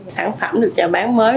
sản phẩm được chào bán mới